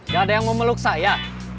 gak ada yang mau meluk saya